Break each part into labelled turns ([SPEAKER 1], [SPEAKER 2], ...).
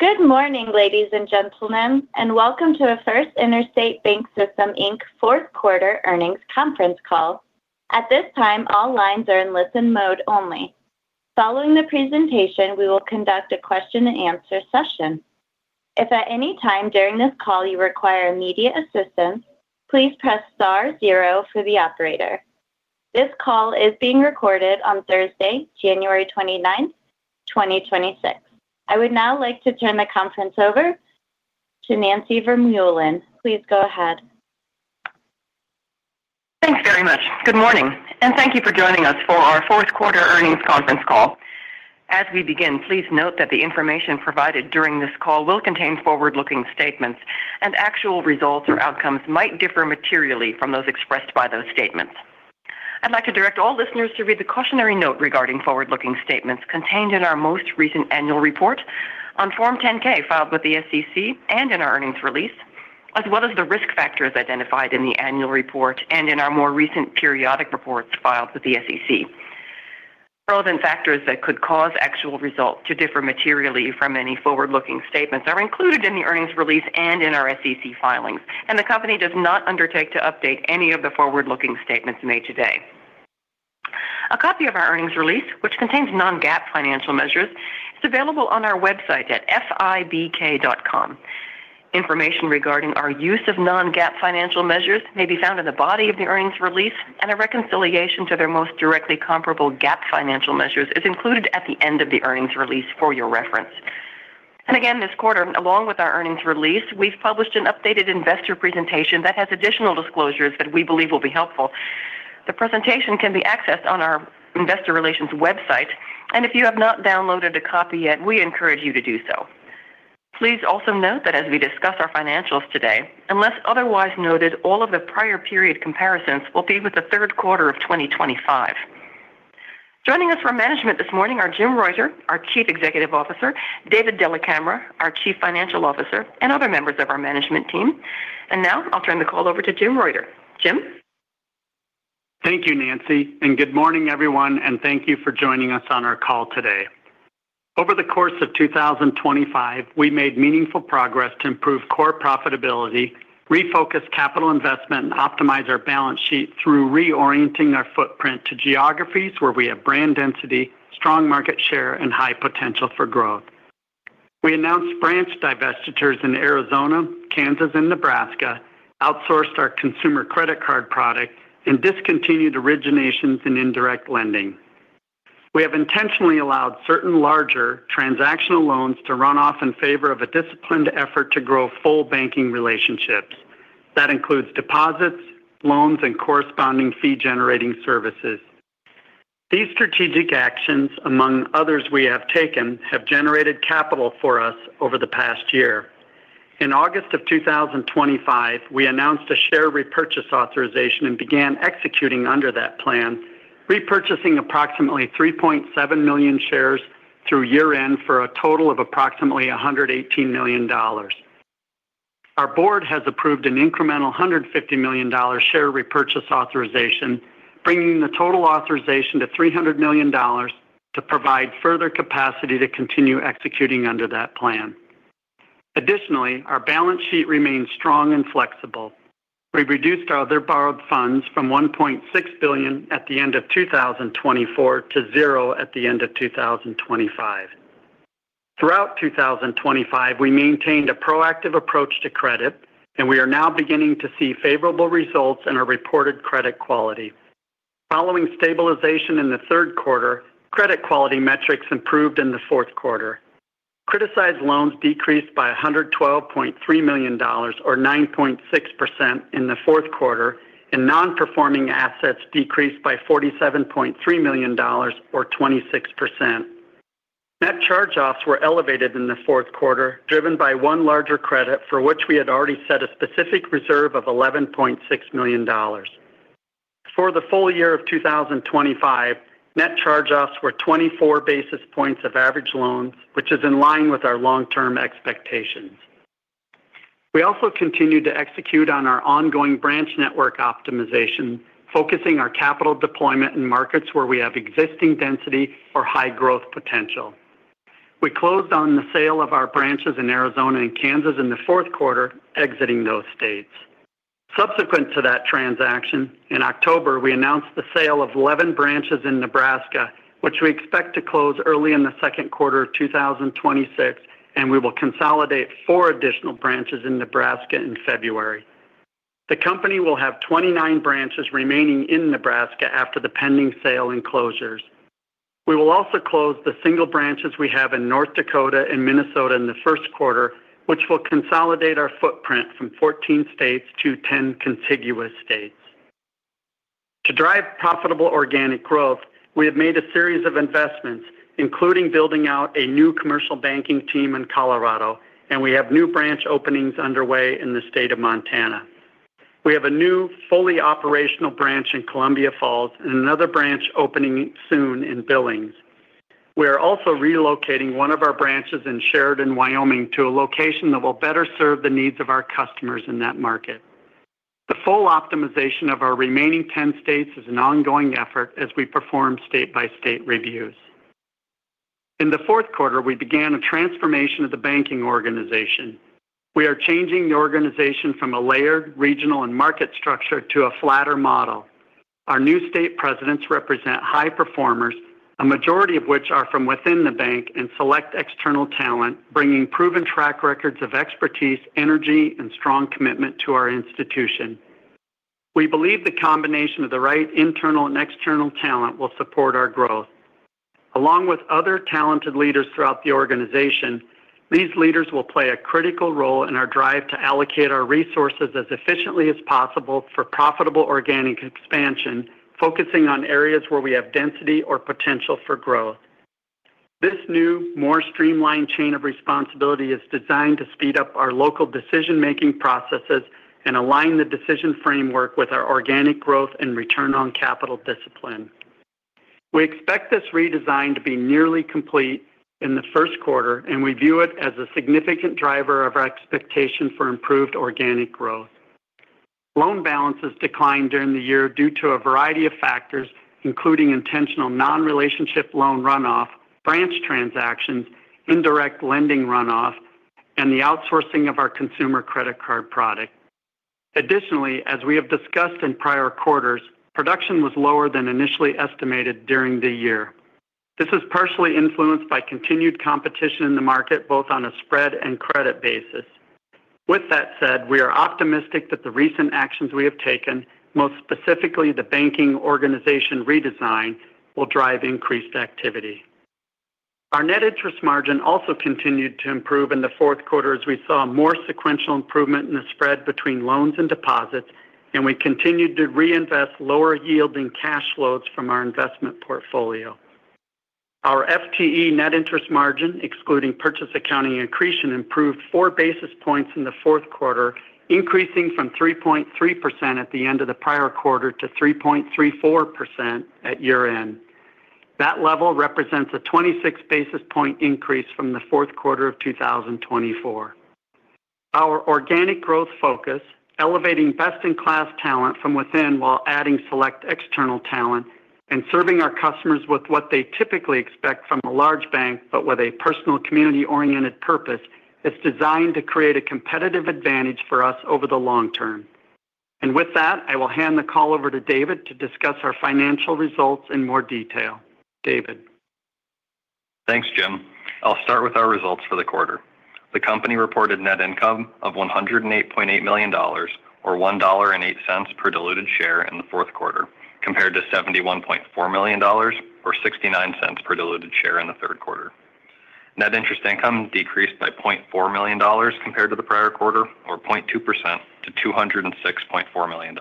[SPEAKER 1] Good morning, ladies and gentlemen, and welcome to our First Interstate BancSystem, Inc. fourth quarter earnings conference call. At this time, all lines are in listen mode only. Following the presentation, we will conduct a question and answer session. If at any time during this call you require immediate assistance, please press star zero for the operator. This call is being recorded on Thursday, January 29th, 2026. I would now like to turn the conference over to Nancy Vermeulen. Please go ahead.
[SPEAKER 2] Thanks very much. Good morning, and thank you for joining us for our fourth quarter earnings conference call. As we begin, please note that the information provided during this call will contain forward-looking statements, and actual results or outcomes might differ materially from those expressed by those statements. I'd like to direct all listeners to read the cautionary note regarding forward-looking statements contained in our most recent annual report on Form 10-K, filed with the SEC and in our earnings release, as well as the risk factors identified in the annual report and in our more recent periodic reports filed with the SEC. Relevant factors that could cause actual results to differ materially from any forward-looking statements are included in the earnings release and in our SEC filings, and the company does not undertake to update any of the forward-looking statements made today. A copy of our earnings release, which contains non-GAAP financial measures, is available on our website at fibk.com. Information regarding our use of non-GAAP financial measures may be found in the body of the earnings release, and a reconciliation to their most directly comparable GAAP financial measures is included at the end of the earnings release for your reference. And again, this quarter, along with our earnings release, we've published an updated investor presentation that has additional disclosures that we believe will be helpful. The presentation can be accessed on our investor relations website, and if you have not downloaded a copy yet, we encourage you to do so. Please also note that as we discuss our financials today, unless otherwise noted, all of the prior period comparisons will be with the third quarter of 2025. Joining us for management this morning are Jim Reuter, our Chief Executive Officer, David Della Camera, our Chief Financial Officer, and other members of our management team. And now I'll turn the call over to Jim Reuter. Jim?
[SPEAKER 3] Thank you, Nancy, and good morning, everyone, and thank you for joining us on our call today. Over the course of 2025, we made meaningful progress to improve core profitability, refocus capital investment, and optimize our balance sheet through reorienting our footprint to geographies where we have brand density, strong market share, and high potential for growth. We announced branch divestitures in Arizona, Kansas, and Nebraska, outsourced our consumer credit card product, and discontinued originations and indirect lending. We have intentionally allowed certain larger transactional loans to run off in favor of a disciplined effort to grow full banking relationships. That includes deposits, loans, and corresponding fee-generating services. These strategic actions, among others we have taken, have generated capital for us over the past year. In August of 2025, we announced a share repurchase authorization and began executing under that plan, repurchasing approximately 3.7 million shares through year-end for a total of approximately $118 million. Our board has approved an incremental $150 million share repurchase authorization, bringing the total authorization to $300 million to provide further capacity to continue executing under that plan. Additionally, our balance sheet remains strong and flexible. We've reduced our other borrowed funds from $1.6 billion at the end of 2024 to zero at the end of 2025. Throughout 2025, we maintained a proactive approach to credit, and we are now beginning to see favorable results in our reported credit quality. Following stabilization in the third quarter, credit quality metrics improved in the fourth quarter. Criticized loans decreased by $112.3 million, or 9.6% in the fourth quarter, and non-performing assets decreased by $47.3 million or 26%. Net charge-offs were elevated in the fourth quarter, driven by one larger credit, for which we had already set a specific reserve of $11.6 million. For the full year of 2025, net charge-offs were 24 basis points of average loans, which is in line with our long-term expectations. We also continued to execute on our ongoing branch network optimization, focusing our capital deployment in markets where we have existing density or high growth potential. We closed on the sale of our branches in Arizona and Kansas in the fourth quarter, exiting those states. Subsequent to that transaction, in October, we announced the sale of 11 branches in Nebraska, which we expect to close early in the second quarter of 2026, and we will consolidate four additional branches in Nebraska in February. The company will have 29 branches remaining in Nebraska after the pending sale and closures. We will also close the single branches we have in North Dakota and Minnesota in the first quarter, which will consolidate our footprint from 14 states to 10 contiguous states. To drive profitable organic growth, we have made a series of investments, including building out a new commercial banking team in Colorado, and we have new branch openings underway in the state of Montana. We have a new, fully operational branch in Columbia Falls and another branch opening soon in Billings. We are also relocating one of our branches in Sheridan, Wyoming, to a location that will better serve the needs of our customers in that market. The full optimization of our remaining 10 states is an ongoing effort as we perform state-by-state reviews. In the fourth quarter, we began a transformation of the banking organization. We are changing the organization from a layered, regional, and market structure to a flatter model. Our new state presidents represent high performers, a majority of which are from within the bank and select external talent, bringing proven track records of expertise, energy, and strong commitment to our institution. We believe the combination of the right internal and external talent will support our growth. Along with other talented leaders throughout the organization, these leaders will play a critical role in our drive to allocate our resources as efficiently as possible for profitable organic expansion, focusing on areas where we have density or potential for growth. This new, more streamlined chain of responsibility is designed to speed up our local decision-making processes and align the decision framework with our organic growth and return on capital discipline. We expect this redesign to be nearly complete in the first quarter, and we view it as a significant driver of our expectation for improved organic growth. Loan balances declined during the year due to a variety of factors, including intentional non-relationship loan runoff, branch transactions, indirect lending runoff, and the outsourcing of our consumer credit card product. Additionally, as we have discussed in prior quarters, production was lower than initially estimated during the year. This is partially influenced by continued competition in the market, both on a spread and credit basis. With that said, we are optimistic that the recent actions we have taken, most specifically the banking organization redesign, will drive increased activity. Our net interest margin also continued to improve in the fourth quarter as we saw more sequential improvement in the spread between loans and deposits, and we continued to reinvest lower yielding cash flows from our investment portfolio. Our FTE net interest margin, excluding purchase accounting accretion, improved 4 basis points in the fourth quarter, increasing from 3.3% at the end of the prior quarter to 3.34% at year-end. That level represents a 26 basis point increase from the fourth quarter of 2024. Our organic growth focus, elevating best-in-class talent from within while adding select external talent and serving our customers with what they typically expect from a large bank, but with a personal, community-oriented purpose, is designed to create a competitive advantage for us over the long term. With that, I will hand the call over to David to discuss our financial results in more detail. David?
[SPEAKER 4] Thanks, Jim. I'll start with our results for the quarter. The company reported net income of $108.8 million or $1.08 per diluted share in the fourth quarter, compared to $71.4 million or $0.69 per diluted share in the third quarter. Net interest income decreased by $0.4 million compared to the prior quarter or 0.2% to $206.4 million.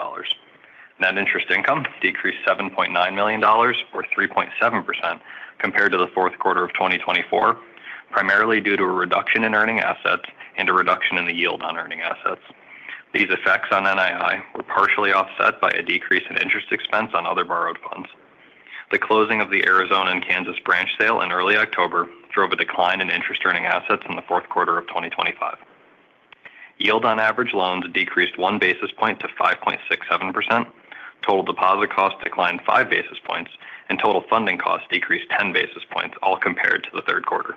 [SPEAKER 4] Net interest income decreased $7.9 million or 3.7% compared to the fourth quarter of 2024, primarily due to a reduction in earning assets and a reduction in the yield on earning assets. These effects on NII were partially offset by a decrease in interest expense on other borrowed funds. The closing of the Arizona and Kansas branch sale in early October drove a decline in interest earning assets in the fourth quarter of 2025. Yield on average loans decreased 1 basis point to 5.67%. Total deposit costs declined 5 basis points, and total funding costs decreased 10 basis points, all compared to the third quarter.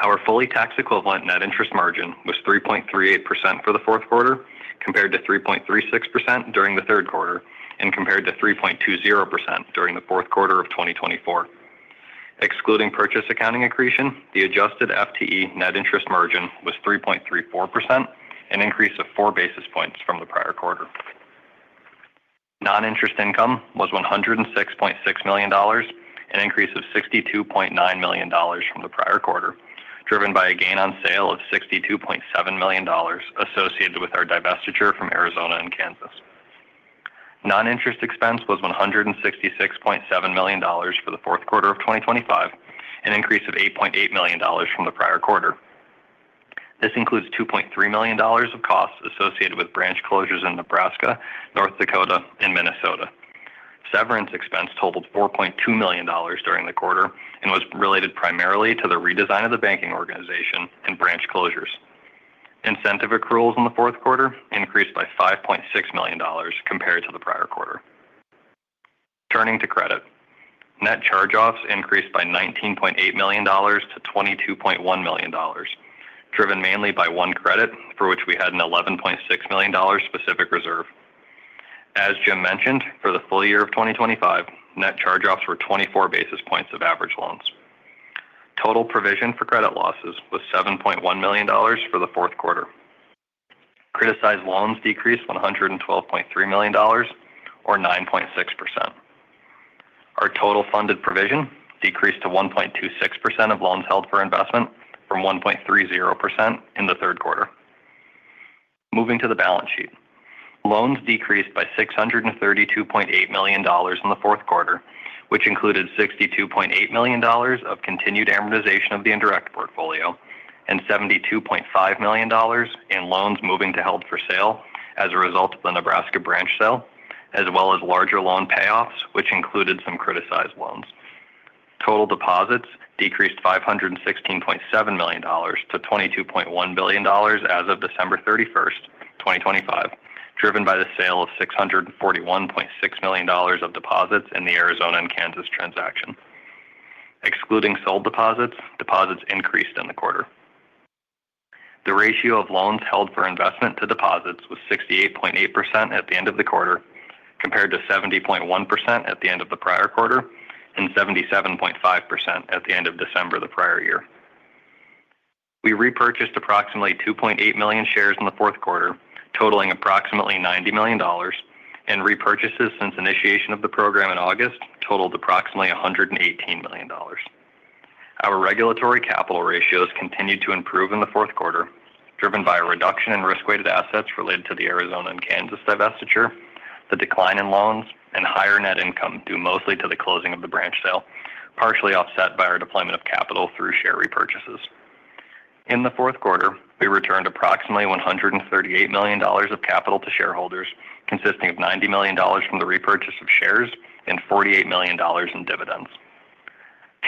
[SPEAKER 4] Our fully tax-equivalent net interest margin was 3.38% for the fourth quarter, compared to 3.36% during the third quarter and compared to 3.20% during the fourth quarter of 2024. Excluding purchase accounting accretion, the adjusted FTE net interest margin was 3.34%, an increase of 4 basis points from the prior quarter. Non-interest income was $106.6 million, an increase of $62.9 million from the prior quarter, driven by a gain on sale of $62.7 million associated with our divestiture from Arizona and Kansas. Non-interest expense was $166.7 million for the fourth quarter of 2025, an increase of $8.8 million from the prior quarter. This includes $2.3 million of costs associated with branch closures in Nebraska, North Dakota, and Minnesota. Severance expense totaled $4.2 million during the quarter and was related primarily to the redesign of the banking organization and branch closures. Incentive accruals in the fourth quarter increased by $5.6 million compared to the prior quarter. Turning to credit. Net charge-offs increased by $19.8 million to $22.1 million, driven mainly by one credit, for which we had an $11.6 million specific reserve. As Jim mentioned, for the full year of 2025, net charge-offs were 24 basis points of average loans. Total provision for credit losses was $7.1 million for the fourth quarter. Criticized loans decreased $112.3 million or 9.6%. Our total funded provision decreased to 1.26% of loans held for investment from 1.30% in the third quarter. Moving to the balance sheet. Loans decreased by $632.8 million in the fourth quarter, which included $62.8 million of continued amortization of the indirect portfolio and $72.5 million in loans moving to held for sale as a result of the Nebraska branch sale, as well as larger loan payoffs, which included some criticized loans. Total deposits decreased $516.7 million to $22.1 billion as of December 31st, 2025, driven by the sale of $641.6 million of deposits in the Arizona and Kansas transaction. Excluding sold deposits, deposits increased in the quarter. The ratio of loans held for investment to deposits was 68.8% at the end of the quarter, compared to 70.1% at the end of the prior quarter, and 77.5% at the end of December the prior year. We repurchased approximately 2.8 million shares in the fourth quarter, totaling approximately $90 million, and repurchases since initiation of the program in August totaled approximately $118 million. Our regulatory capital ratios continued to improve in the fourth quarter, driven by a reduction in risk-weighted assets related to the Arizona and Kansas divestiture, the decline in loans, and higher net income, due mostly to the closing of the branch sale, partially offset by our deployment of capital through share repurchases. In the fourth quarter, we returned approximately $138 million of capital to shareholders, consisting of $90 million from the repurchase of shares and $48 million in dividends.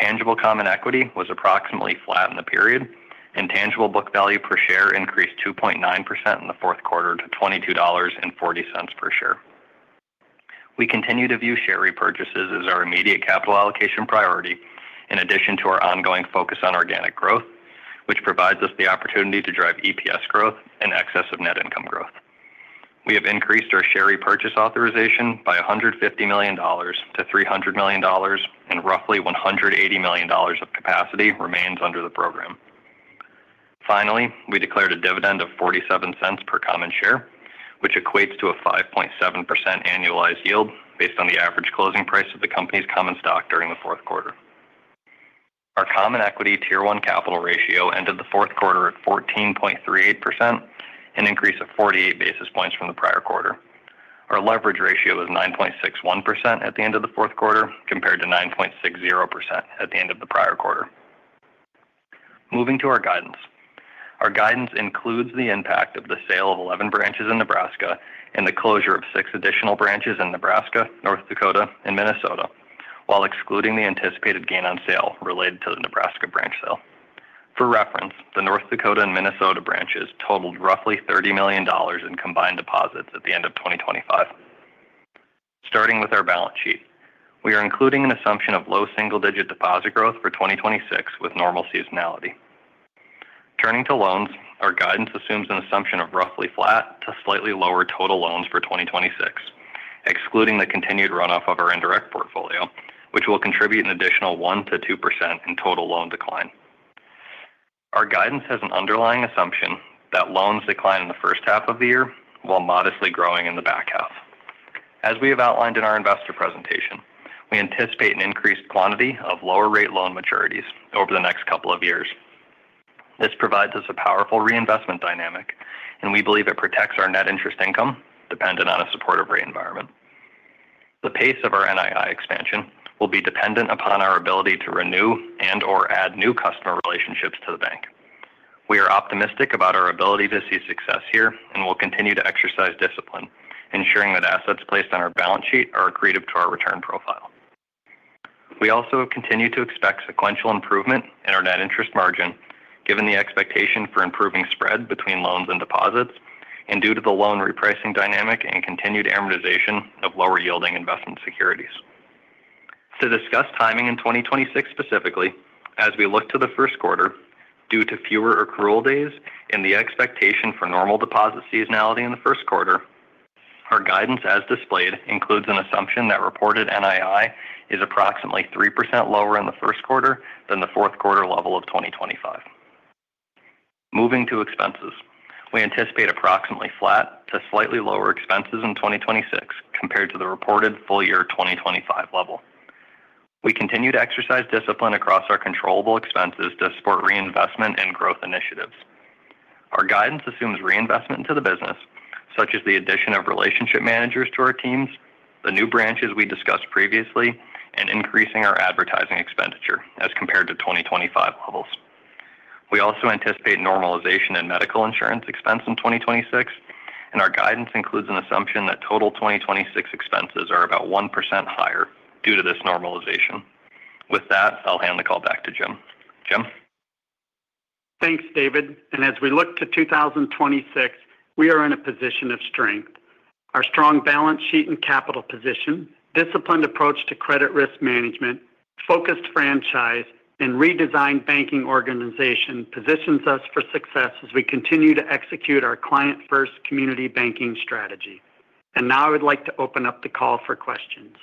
[SPEAKER 4] Tangible common equity was approximately flat in the period, and tangible book value per share increased 2.9% in the fourth quarter to $22.40 per share. We continue to view share repurchases as our immediate capital allocation priority, in addition to our ongoing focus on organic growth, which provides us the opportunity to drive EPS growth in excess of net income growth. We have increased our share repurchase authorization by $150 million to $300 million, and roughly $180 million of capacity remains under the program. Finally, we declared a dividend of $0.47 per common share, which equates to a 5.7% annualized yield based on the average closing price of the company's common stock during the fourth quarter. Our Common Equity Tier 1 capital ratio ended the fourth quarter at 14.38%, an increase of 48 basis points from the prior quarter. Our leverage ratio was 9.61% at the end of the fourth quarter, compared to 9.60% at the end of the prior quarter. Moving to our guidance. Our guidance includes the impact of the sale of 11 branches in Nebraska and the closure of six additional branches in Nebraska, North Dakota, and Minnesota, while excluding the anticipated gain on sale related to the Nebraska branch sale. For reference, the North Dakota and Minnesota branches totaled roughly $30 million in combined deposits at the end of 2025. Starting with our balance sheet, we are including an assumption of low single-digit deposit growth for 2026 with normal seasonality. Turning to loans, our guidance assumes an assumption of roughly flat to slightly lower total loans for 2026, excluding the continued runoff of our indirect portfolio, which will contribute an additional 1%-2% in total loan decline. Our guidance has an underlying assumption that loans decline in the first half of the year while modestly growing in the back half. As we have outlined in our investor presentation, we anticipate an increased quantity of lower rate loan maturities over the next couple of years. This provides us a powerful reinvestment dynamic, and we believe it protects our net interest income, dependent on a supportive rate environment. The pace of our NII expansion will be dependent upon our ability to renew and/or add new customer relationships to the bank. We are optimistic about our ability to see success here and will continue to exercise discipline, ensuring that assets placed on our balance sheet are accretive to our return profile. We also continue to expect sequential improvement in our net interest margin, given the expectation for improving spread between loans and deposits, and due to the loan repricing dynamic and continued amortization of lower yielding investment securities. To discuss timing in 2026 specifically, as we look to the first quarter, due to fewer accrual days and the expectation for normal deposit seasonality in the first quarter, our guidance as displayed includes an assumption that reported NII is approximately 3% lower in the first quarter than the fourth quarter level of 2025. Moving to expenses. We anticipate approximately flat to slightly lower expenses in 2026 compared to the reported full year 2025 level. We continue to exercise discipline across our controllable expenses to support reinvestment and growth initiatives. Our guidance assumes reinvestment into the business, such as the addition of relationship managers to our teams, the new branches we discussed previously, and increasing our advertising expenditure as compared to 2025 levels. We also anticipate normalization in medical insurance expense in 2026, and our guidance includes an assumption that total 2026 expenses are about 1% higher due to this normalization. With that, I'll hand the call back to Jim. Jim?
[SPEAKER 3] Thanks, David. And as we look to 2026, we are in a position of strength. Our strong balance sheet and capital position, disciplined approach to credit risk management, focused franchise, and redesigned banking organization positions us for success as we continue to execute our client-first community banking strategy. And now I would like to open up the call for questions.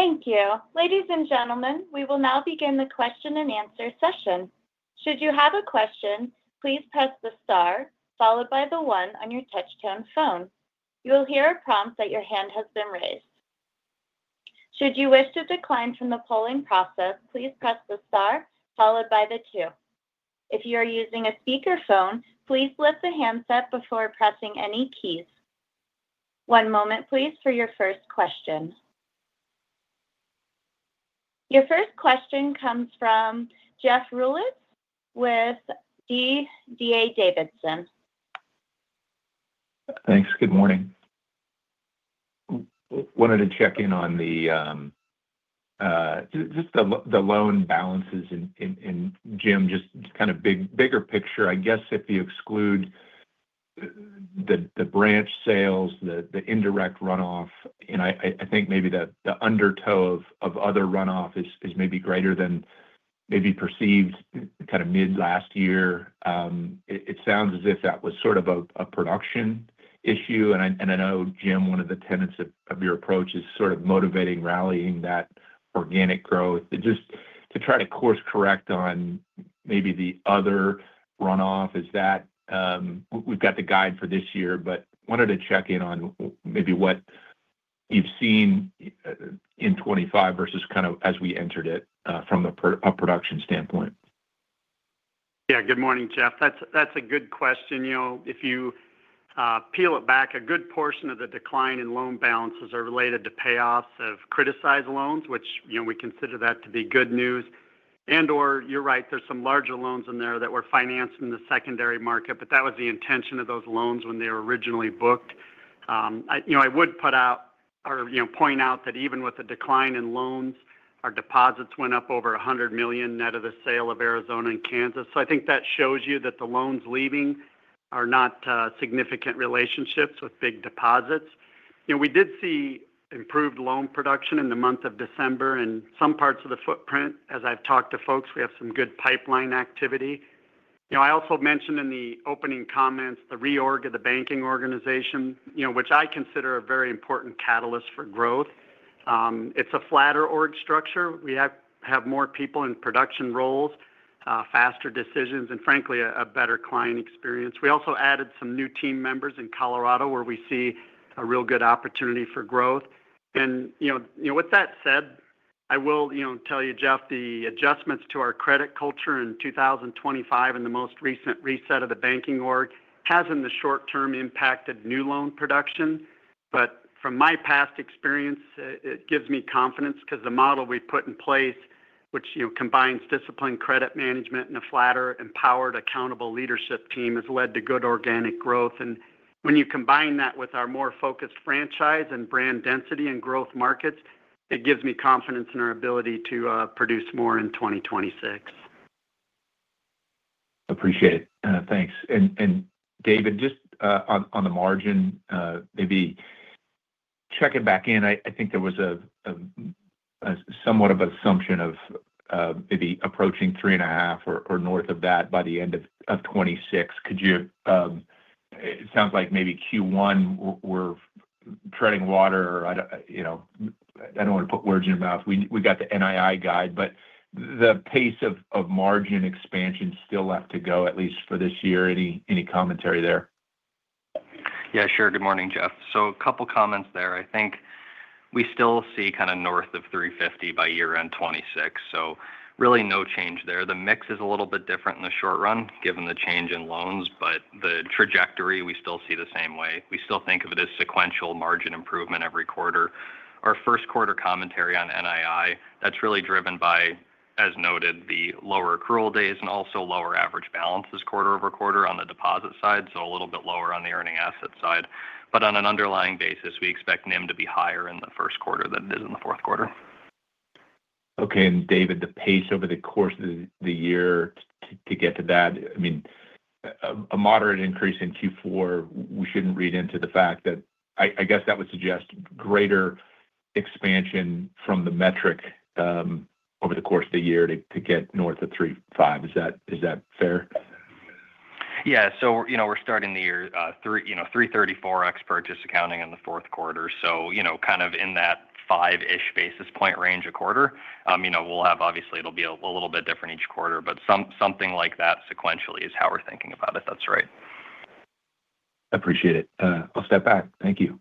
[SPEAKER 1] Thank you. Ladies and gentlemen, we will now begin the question and answer session. Should you have a question, please press the star followed by the one on your touchtone phone. You will hear a prompt that your hand has been raised. Should you wish to decline from the polling process, please press the star followed by the two. If you are using a speakerphone, please lift the handset before pressing any keys. One moment, please, for your first question. Your first question comes from Jeff Rulis with D.A. Davidson. Thanks. Good morning. Wanted to check in on the loan balances in, Jim, just kind of bigger picture. I guess if you exclude the branch sales, the indirect runoff, and I think maybe the undertow of other runoff is maybe greater than maybe perceived kind of mid last year. It sounds as if that was sort of a production issue, and I know, Jim, one of the tenets of your approach is sort of motivating, rallying that organic growth. Just to try to course-correct on maybe the other runoff, is that... We've got the guide for this year, but wanted to check in on maybe what you've seen in 2025 versus kind of as we entered it from a production standpoint.
[SPEAKER 3] Yeah. Good morning, Jeff. That's, that's a good question. You know, if you peel it back, a good portion of the decline in loan balances are related to payoffs of criticized loans, which, you know, we consider that to be good news. And/or, you're right, there's some larger loans in there that were financed in the secondary market, but that was the intention of those loans when they were originally booked. I, you know, I would put out or, you know, point out that even with the decline in loans, our deposits went up over $100 million net of the sale of Arizona and Kansas. So I think that shows you that the loans leaving are not significant relationships with big deposits. You know, we did see improved loan production in the month of December in some parts of the footprint. As I've talked to folks, we have some good pipeline activity. You know, I also mentioned in the opening comments the reorg of the banking organization, you know, which I consider a very important catalyst for growth. It's a flatter org structure. We have more people in production roles, faster decisions, and frankly, a better client experience. We also added some new team members in Colorado, where we see a real good opportunity for growth. With that said, I will tell you, Jeff, the adjustments to our credit culture in 2025 and the most recent reset of the banking org has, in the short term, impacted new loan production. But from my past experience, it gives me confidence because the model we put in place, which, you know, combines disciplined credit management and a flatter, empowered, accountable leadership team, has led to good organic growth. And when you combine that with our more focused franchise and brand density and growth markets, it gives me confidence in our ability to produce more in 2026.
[SPEAKER 5] Appreciate it. Thanks. And David, just on the margin, maybe checking back in, I think there was a somewhat of assumption of maybe approaching 3.5 or north of that by the end of 2026. Could you... It sounds like maybe Q1, we're treading water. I don't, you know, I don't want to put words in your mouth. We got the NII guide, but the pace of margin expansion still left to go, at least for this year. Any commentary there?
[SPEAKER 4] Yeah, sure. Good morning, Jeff. So a couple comments there. I think we still see kind of north of 350 by year-end 2026, so really no change there. The mix is a little bit different in the short run, given the change in loans, but the trajectory, we still see the same way. We still think of it as sequential margin improvement every quarter. Our first quarter commentary on NII, that's really driven by, as noted, the lower accrual days and also lower average balances quarter-over-quarter on the deposit side, so a little bit lower on the earning asset side. But on an underlying basis, we expect NIM to be higher in the first quarter than it is in the fourth quarter.
[SPEAKER 5] Okay, and David, the pace over the course of the year to get to that, I mean, a moderate increase in Q4, we shouldn't read into the fact that—I guess that would suggest greater expansion from the metric over the course of the year to get north of 3.5. Is that fair?
[SPEAKER 4] Yeah. So, you know, we're starting the year, three, you know, 3.34% ex purchase accounting in the fourth quarter. So, you know, kind of in that five-ish basis point range a quarter. You know, we'll have obviously, it'll be a little bit different each quarter, but something like that sequentially is how we're thinking about it. That's right.
[SPEAKER 5] Appreciate it. I'll step back. Thank you.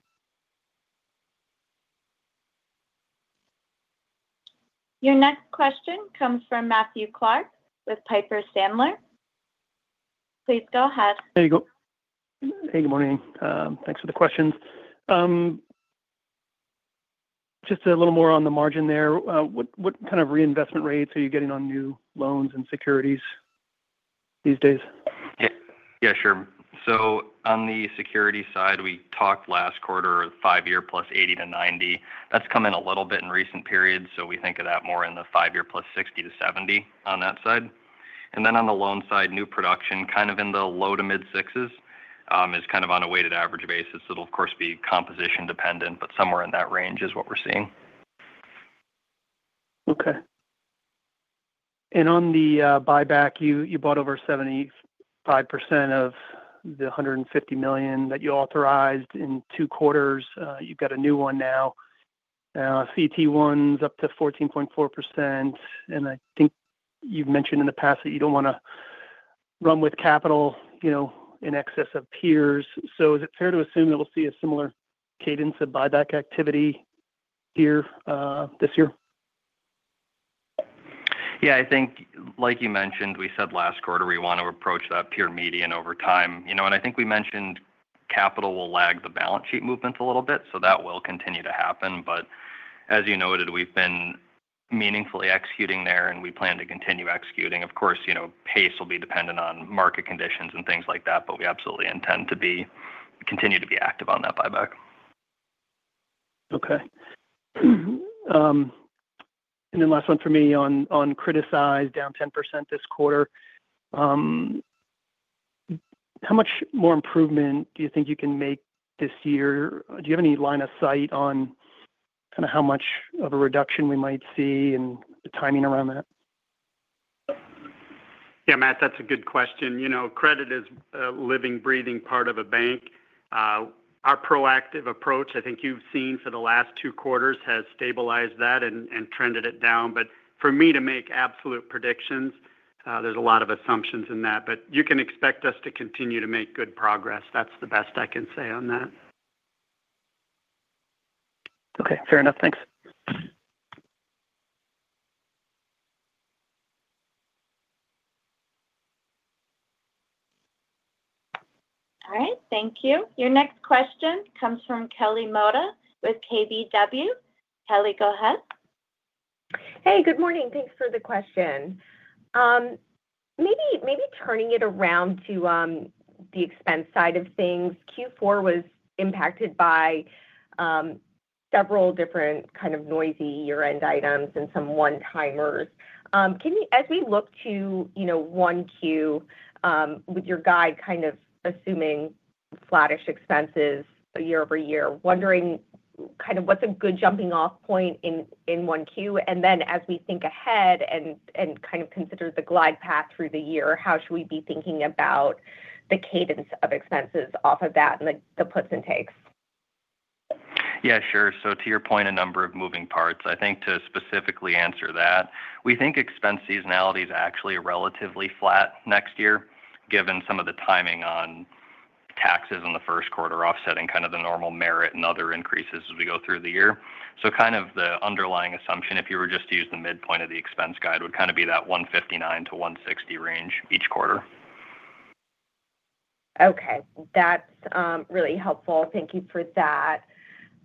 [SPEAKER 1] Your next question comes from Matthew Clark with Piper Sandler. Please go ahead. There you go. Hey, good morning. Thanks for the questions. Just a little more on the m argin there. What, what kind of reinvestment rates are you getting on new loans and securities these days?
[SPEAKER 4] Yeah. Yeah, sure. So on the security side, we talked last quarter, five-year plus 80-90. That's come in a little bit in recent periods, so we think of that more in the five-year plus 60-70 on that side. And then on the loan side, new production, kind of in the low- to mid-6s, is kind of on a weighted average basis. It'll, of course, be composition dependent, but somewhere in that range is what we're seeing.
[SPEAKER 6] Okay. And on the buyback, you, you bought over 75% of the $150 million that you authorized in two quarters. You've got a new one now. CET1's up to 14.4%, and I think you've mentioned in the past that you don't want to run with capital, you know, in excess of peers. So is it fair to assume that we'll see a similar cadence of buyback activity here, this year?
[SPEAKER 4] Yeah, I think like you mentioned, we said last quarter we want to approach that peer median over time. You know, and I think we mentioned capital will lag the balance sheet movements a little bit, so that will continue to happen. But as you noted, we've been meaningfully executing there, and we plan to continue executing. Of course, you know, pace will be dependent on market conditions and things like that, but we absolutely intend to continue to be active on that buyback.
[SPEAKER 6] Okay. And then last one for me on criticized, down 10% this quarter. How much more improvement do you think you can make this year? Do you have any line of sight on kind of how much of a reduction we might see and the timing around that?
[SPEAKER 3] Yeah, Matt, that's a good question. You know, credit is a living, breathing part of a bank. Our proactive approach, I think you've seen for the last two quarters, has stabilized that and, and trended it down. But for me to make absolute predictions, there's a lot of assumptions in that. But you can expect us to continue to make good progress. That's the best I can say on that.
[SPEAKER 6] Okay, fair enough. Thanks.
[SPEAKER 1] All right. Thank you. Your next question comes from Kelly Motta with KBW. Kelly, go ahead. Hey, good morning. Thanks for the question. Maybe, maybe turning it around to the expense side of things, Q4 was impacted by several different kind of noisy year-end items and some one-timers. Can you, as we look to, you know, 1Q, with your guide kind of assuming flattish expenses year-over-year, wondering kind of what's a good jumping off point in, in 1Q? And then, as we think ahead and, and kind of consider the glide path through the year, how should we be thinking about the cadence of expenses off of that and the, the puts and takes?
[SPEAKER 4] Yeah, sure. So to your point, a number of moving parts. I think to specifically answer that, we think expense seasonality is actually relatively flat next year, given some of the timing on taxes in the first quarter, offsetting kind of the normal merit and other increases as we go through the year. So kind of the underlying assumption, if you were just to use the midpoint of the expense guide, would kind of be that $159-$160 range each quarter.
[SPEAKER 7] Okay. That's really helpful. Thank you for that.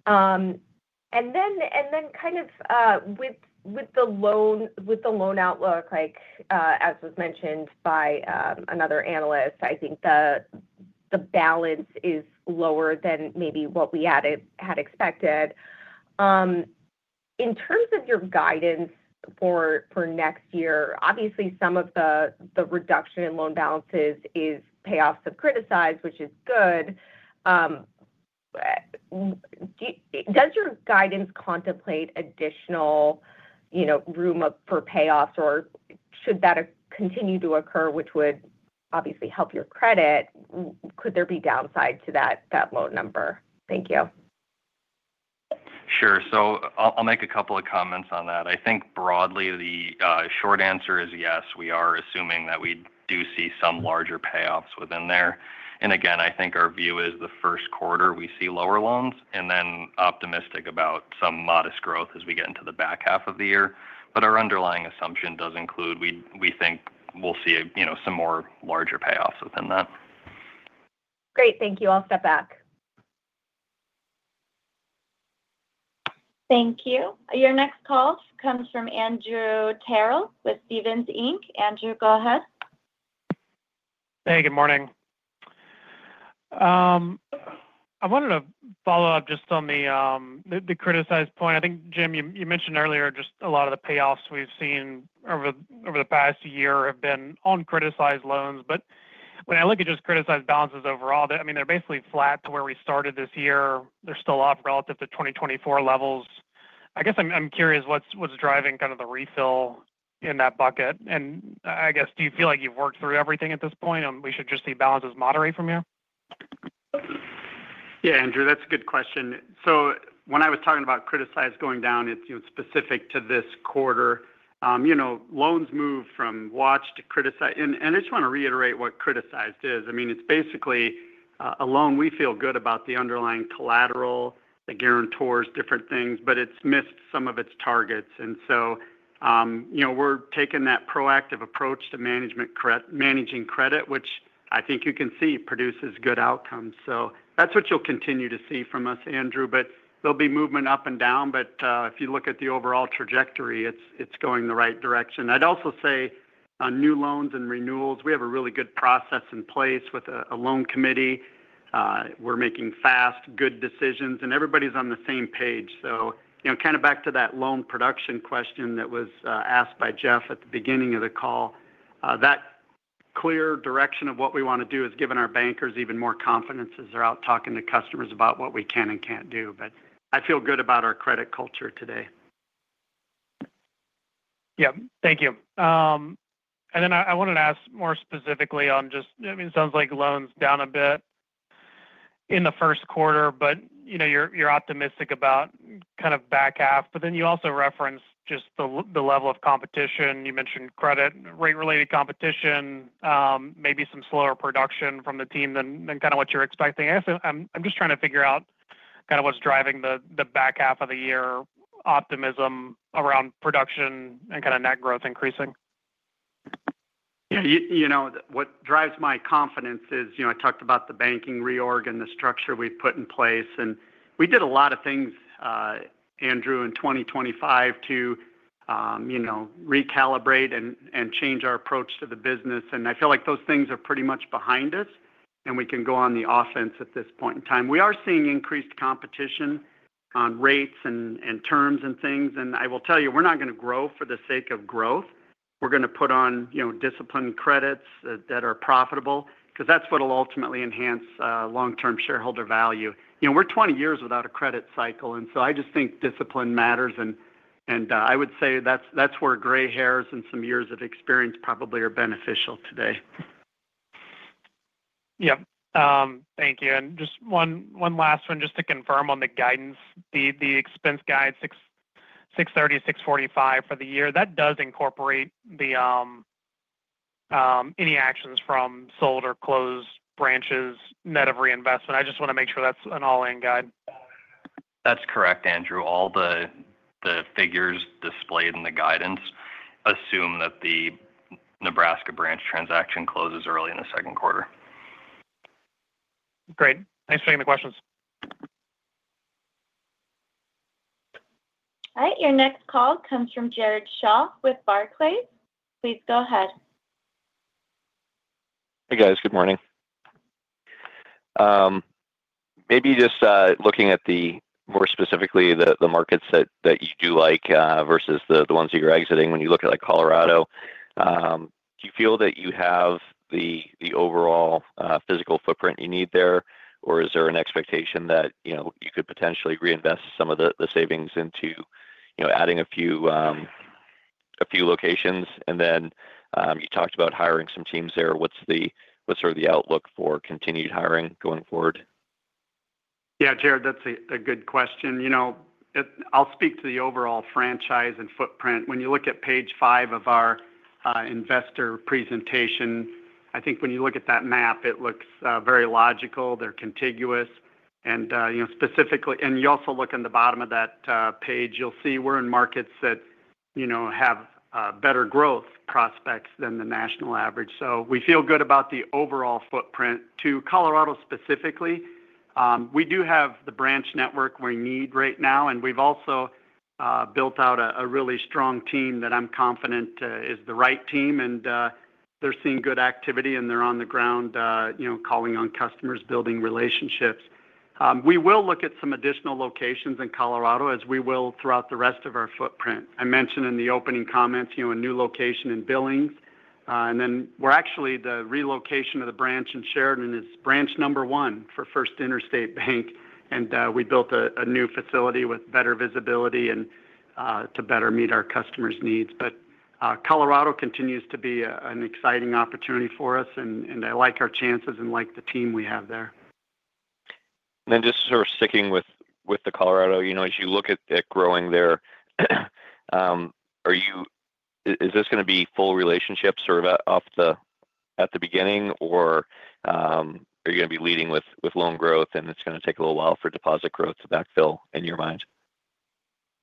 [SPEAKER 7] And then kind of with the loan outlook, like, as was mentioned by another analyst, I think the balance is lower than maybe what we had expected. In terms of your guidance for next year, obviously some of the reduction in loan balances is payoffs of criticized, which is good. Does your guidance contemplate additional, you know, room up for payoffs, or should that continue to occur, which would obviously help your credit, could there be downside to that loan number? Thank you.
[SPEAKER 4] Sure. So I'll make a couple of comments on that. I think broadly, the short answer is yes, we are assuming that we do see some larger payoffs within there. And again, I think our view is the first quarter, we see lower loans, and then optimistic about some modest growth as we get into the back half of the year. But our underlying assumption does include we think we'll see, you know, some more larger payoffs within that.
[SPEAKER 7] Great. Thank you. I'll step back.
[SPEAKER 1] Thank you. Your next call comes from Andrew Terrell with Stephens Inc. Andrew, go ahead. Hey, good morning. I wanted to follow up just on the criticized point. I think, Jim, you mentioned earlier just a lot of the payoffs we've seen over the past year have been on criticized loans. But when I look at just criticized balances overall, I mean, they're basically flat to where we started this year. They're still off relative to 2024 levels. I guess I'm curious, what's driving kind of the refill in that bucket? And I guess, do you feel like you've worked through everything at this point, and we should just see balances moderate from here?
[SPEAKER 3] Yeah, Andrew, that's a good question. So when I was talking about criticized going down, it's, you know, specific to this quarter. You know, loans move from watch to criticize. And I just want to reiterate what criticized is. I mean, it's basically a loan we feel good about the underlying collateral, the guarantors, different things, but it's missed some of its targets. And so, you know, we're taking that proactive approach to managing credit, which I think you can see produces good outcomes. So that's what you'll continue to see from us, Andrew. But there'll be movement up and down, but if you look at the overall trajectory, it's going in the right direction. I'd also say on new loans and renewals, we have a really good process in place with a loan committee. We're making fast, good decisions, and everybody's on the same page. So, you know, kind of back to that loan production question that was asked by Jeff at the beginning of the call, that clear direction of what we want to do has given our bankers even more confidence as they're out talking to customers about what we can and can't do. But I feel good about our credit culture today.
[SPEAKER 8] Yeah. Thank you. And then I wanted to ask more specifically on just—I mean, it sounds like loans down a bit in the first quarter, but, you know, you're optimistic about kind of back half. But then you also referenced just the level of competition. You mentioned credit rate-related competition, maybe some slower production from the team than kind of what you're expecting. I'm just trying to figure out kind of what's driving the back half of the year optimism around production and kind of net growth increasing?
[SPEAKER 3] Yeah, you know, what drives my confidence is, you know, I talked about the banking reorg and the structure we put in place, and we did a lot of things, Andrew, in 2025 to, you know, recalibrate and change our approach to the business. I feel like those things are pretty much behind us, and we can go on the offense at this point in time. We are seeing increased competition on rates and terms and things. I will tell you, we're not gonna grow for the sake of growth. We're gonna put on, you know, disciplined credits that are profitable, 'cause that's what'll ultimately enhance long-term shareholder value. You know, we're 20 years without a credit cycle, and so I just think discipline matters, and I would say that's where gray hairs and some years of experience probably are beneficial today.
[SPEAKER 8] Yep. Thank you. And just one last one just to confirm on the guidance. The expense guide, $630-$645 for the year, that does incorporate the any actions from sold or closed branches, net of reinvestment? I just wanna make sure that's an all-in guide.
[SPEAKER 4] That's correct, Andrew. All the figures displayed in the guidance assume that the Nebraska branch transaction closes early in the second quarter.
[SPEAKER 8] Great. Thanks for taking the questions.
[SPEAKER 1] All right, your next call comes from Jared Shaw with Barclays. Please go ahead. Hey, guys. Good morning. Maybe just looking at more specifically the markets that you do like versus the ones that you're exiting. When you look at, like, Colorado, do you feel that you have the overall physical footprint you need there? Or is there an expectation that, you know, you could potentially reinvest some of the savings into, you know, adding a few locations? And then you talked about hiring some teams there. What's sort of the outlook for continued hiring going forward?
[SPEAKER 3] Yeah, Jared, that's a good question. You know, I'll speak to the overall franchise and footprint. When you look at page five of our investor presentation, I think when you look at that map, it looks very logical. They're contiguous. And you know, specifically, and you also look in the bottom of that page, you'll see we're in markets that you know have better growth prospects than the national average. So we feel good about the overall footprint. To Colorado specifically, we do have the branch network we need right now, and we've also built out a really strong team that I'm confident is the right team, and they're seeing good activity, and they're on the ground you know calling on customers, building relationships. We will look at some additional locations in Colorado as we will throughout the rest of our footprint. I mentioned in the opening comments, you know, a new location in Billings, and then we're actually the relocation of the branch in Sheridan is branch number one for First Interstate Bank, and we built a new facility with better visibility and to better meet our customers' needs. But Colorado continues to be an exciting opportunity for us, and I like our chances and like the team we have there.
[SPEAKER 9] Then just sort of sticking with the Colorado, you know, as you look at growing there, is this gonna be full relationships sort of off the bat at the beginning, or are you gonna be leading with loan growth, and it's gonna take a little while for deposit growth to backfill in your mind?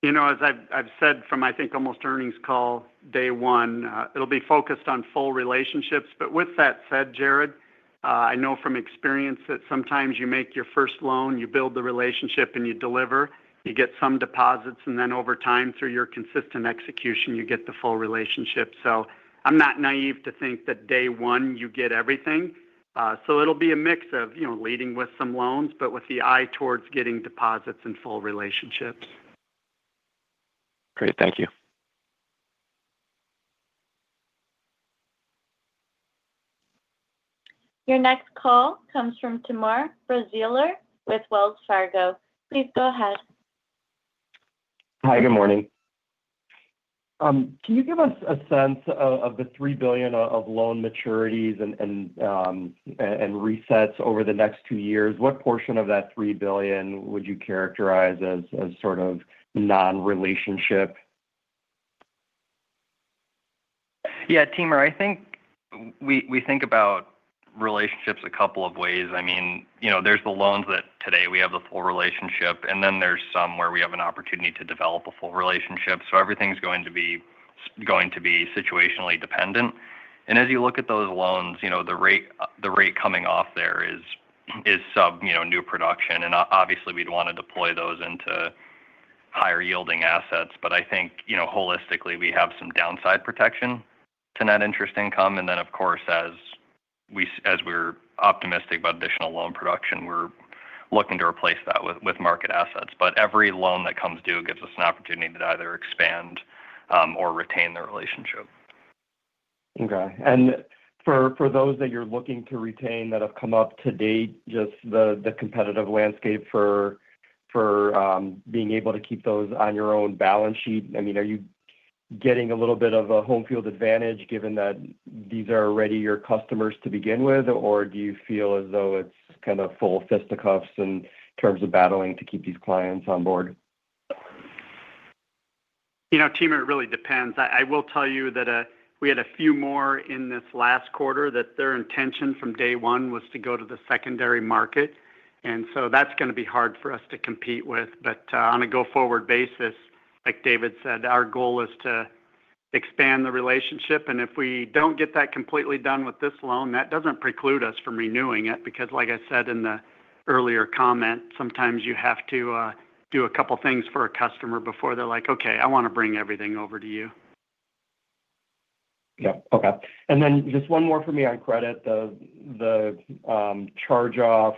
[SPEAKER 3] You know, as I've said from, I think, almost earnings call day one, it'll be focused on full relationships. But with that said, Jared, I know from experience that sometimes you make your first loan, you build the relationship, and you deliver. You get some deposits, and then over time, through your consistent execution, you get the full relationship. So I'm not naive to think that day one, you get everything. So it'll be a mix of, you know, leading with some loans, but with the eye towards getting deposits and full relationships.
[SPEAKER 9] Great. Thank you.
[SPEAKER 1] Your next call comes from Timur Braziler with Wells Fargo. Please go ahead. Hi, good morning. Can you give us a sense of the $3 billion of loan maturities and resets over the next two years? What portion of that $3 billion would you characterize as sort of non-relationship?
[SPEAKER 4] Yeah, Timur, I think we think about relationships a couple of ways. I mean, you know, there's the loans that today we have the full relationship, and then there's some where we have an opportunity to develop a full relationship. So everything's going to be going to be situationally dependent. And as you look at those loans, you know, the rate coming off there is some, you know, new production, and obviously, we'd want to deploy those into higher-yielding assets. But I think, you know, holistically, we have some downside protection to net interest income. And then, of course, as we're optimistic about additional loan production, we're looking to replace that with market assets. But every loan that comes due gives us an opportunity to either expand or retain the relationship.
[SPEAKER 10] Okay. And for those that you're looking to retain that have come up to date, just the competitive landscape for being able to keep those on your own balance sheet, I mean, are you getting a little bit of a home field advantage, given that these are already your customers to begin with? Or do you feel as though it's kind of full fisticuffs in terms of battling to keep these clients on board?
[SPEAKER 3] You know, Timur, it really depends. I, I will tell you that, we had a few more in this last quarter that their intention from day one was to go to the secondary market, and so that's gonna be hard for us to compete with. But, on a go-forward basis, like David said, our goal is to expand the relationship. And if we don't get that completely done with this loan, that doesn't preclude us from renewing it. Because like I said in the earlier comment, sometimes you have to do a couple things for a customer before they're like, "Okay, I want to bring everything over to you.
[SPEAKER 10] Yeah. Okay. And then just one more for me on credit. The charge-off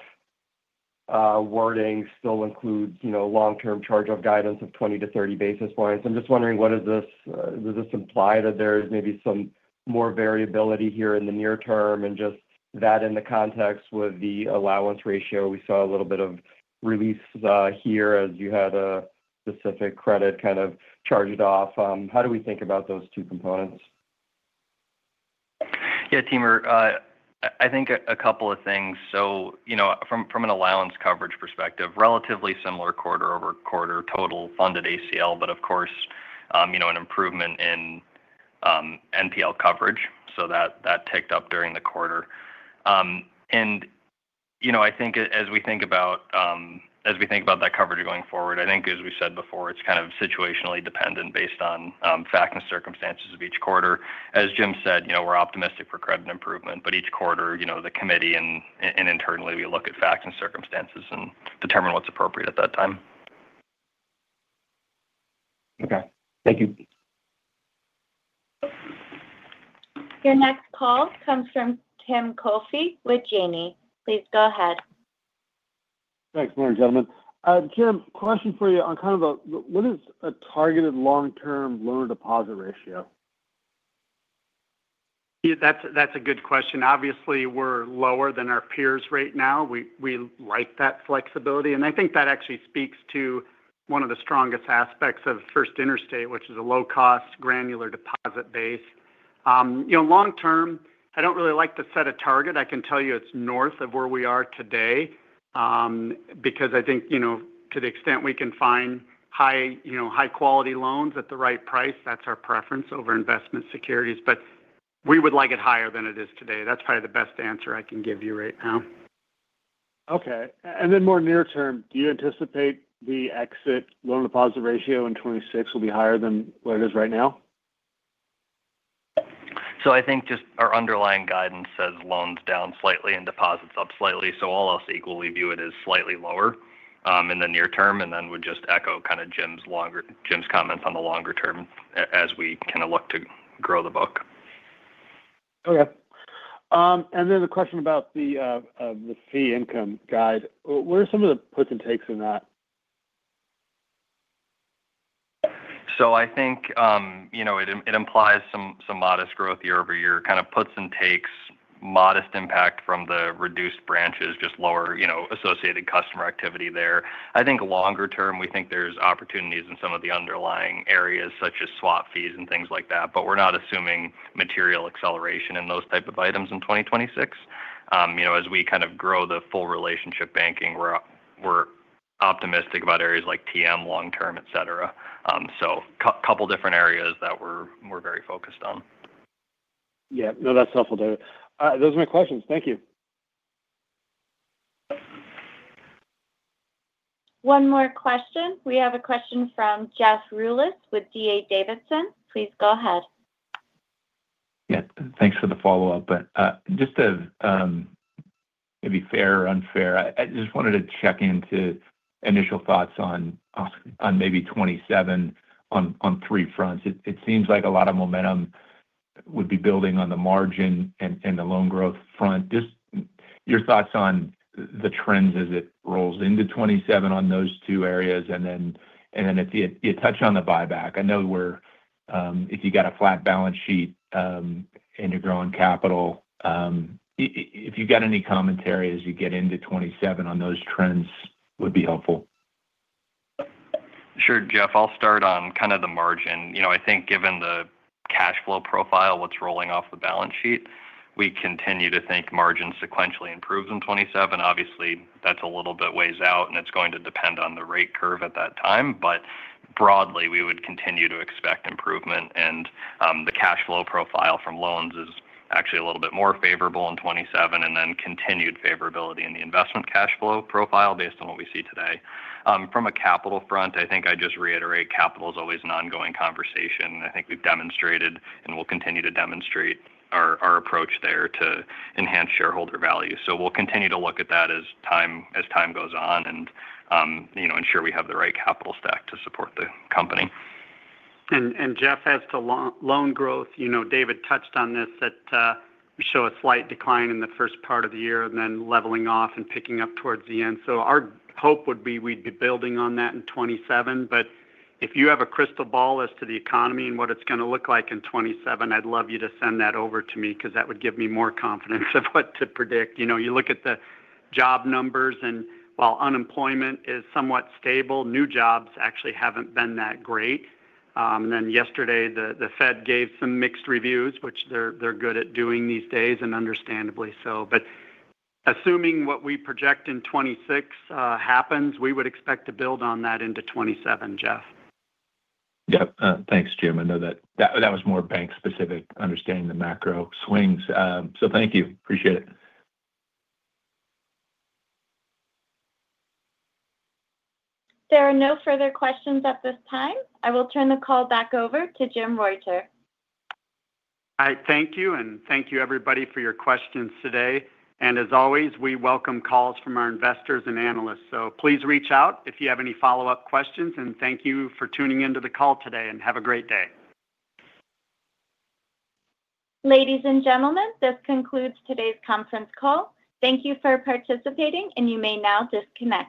[SPEAKER 10] wording still includes, you know, long-term charge-off guidance of 20 basis points-30 basis points. I'm just wondering, what does this—does this imply that there is maybe some more variability here in the near term? And just that in the context with the allowance ratio, we saw a little bit of release here, as you had a specific credit kind of charged off. How do we think about those two components?
[SPEAKER 4] Yeah, Timur, I think a couple of things. So, you know, from an allowance coverage perspective, relatively similar quarter-over-quarter, total funded ACL, but of course, you know, an improvement in NPL coverage, so that ticked up during the quarter. And, you know, I think as we think about that coverage going forward, I think as we said before, it's kind of situationally dependent, based on fact and circumstances of each quarter. As Jim said, you know, we're optimistic for credit improvement, but each quarter, you know, the committee and internally, we look at facts and circumstances and determine what's appropriate at that time.
[SPEAKER 10] Okay. Thank you.
[SPEAKER 1] Your next call comes from Tim Coffey with Janney. Please go ahead. Thanks. Morning, gentlemen. Jim, question for you on kind of a, what is a targeted long-term loan deposit ratio?
[SPEAKER 3] Yeah, that's a good question. Obviously, we're lower than our peers right now. We like that flexibility, and I think that actually speaks to one of the strongest aspects of First Interstate, which is a low-cost, granular deposit base. You know, long term, I don't really like to set a target. I can tell you it's north of where we are today, because I think, you know, to the extent we can find high, you know, high-quality loans at the right price, that's our preference over investment securities. But we would like it higher than it is today. That's probably the best answer I can give you right now.
[SPEAKER 11] Okay. And then more near term, do you anticipate the exit loan deposit ratio in 2026 will be higher than what it is right now?
[SPEAKER 4] So I think just our underlying guidance says loans down slightly and deposits up slightly, so all else equal, we view it as slightly lower in the near term. And then would just echo kind of Jim's longer-term comments on the longer term as we kind of look to grow the book.
[SPEAKER 11] Okay. And then a question about the fee income guide. What are some of the puts and takes in that?
[SPEAKER 4] So I think, you know, it, it implies some, some modest growth year-over-year, kind of, puts and takes modest impact from the reduced branches, just lower, you know, associated customer activity there. I think longer term, we think there's opportunities in some of the underlying areas, such as swap fees and things like that. But we're not assuming material acceleration in those type of items in 2026. You know, as we kind of grow the full relationship banking, we're, we're optimistic about areas like TM, long term, et cetera. So couple different areas that we're, we're very focused on.
[SPEAKER 11] Yeah. No, that's helpful, David. Those are my questions. Thank you.
[SPEAKER 1] One more question. We have a question from Jeff Rulis with D.A. Davidson. Please go ahead. Yeah. Thanks for the follow-up. But just to, maybe fair or unfair, I just wanted to check into initial thoughts on maybe 2027 on three fronts. It seems like a lot of momentum would be building on the margin and the loan growth front. Just your thoughts on the trends as it rolls into 2027 on those two areas, and then if you touched on the buyback. I know we're if you got a flat balance sheet and you're growing capital if you've got any commentary as you get into 2027 on those trends would be helpful.
[SPEAKER 4] Sure, Jeff. I'll start on kind of the margin. You know, I think given the cash flow profile, what's rolling off the balance sheet, we continue to think margin sequentially improves in 2027. Obviously, that's a little bit ways out, and it's going to depend on the rate curve at that time. But broadly, we would continue to expect improvement, and the cash flow profile from loans is actually a little bit more favorable in 2027, and then continued favorability in the investment cash flow profile based on what we see today. From a capital front, I think I'd just reiterate, capital is always an ongoing conversation. I think we've demonstrated and we'll continue to demonstrate our, our approach there to enhance shareholder value. So we'll continue to look at that as time goes on and, you know, ensure we have the right capital stack to support the company.
[SPEAKER 3] Jeff, as to loan growth, you know, David touched on this, that we show a slight decline in the first part of the year and then leveling off and picking up towards the end. So our hope would be we'd be building on that in 2027. But if you have a crystal ball as to the economy and what it's gonna look like in 2027, I'd love you to send that over to me because that would give me more confidence of what to predict. You know, you look at the job numbers, and while unemployment is somewhat stable, new jobs actually haven't been that great. Then yesterday, the Fed gave some mixed reviews, which they're good at doing these days, and understandably so. But assuming what we project in 2026 happens, we would expect to build on that into 2027, Jeff.
[SPEAKER 5] Yep. Thanks, Jim. I know that, that was more bank specific, understanding the macro swings. So thank you. Appreciate it.
[SPEAKER 1] There are no further questions at this time. I will turn the call back over to Jim Reuter.
[SPEAKER 3] I thank you, and thank you, everybody, for your questions today. As always, we welcome calls from our investors and analysts. Please reach out if you have any follow-up questions, and thank you for tuning in to the call today, and have a great day.
[SPEAKER 1] Ladies and gentlemen, this concludes today's conference call. Thank you for participating, and you may now disconnect.